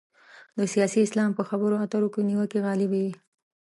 د سیاسي اسلام په خبرو اترو کې نیوکې غالب وي.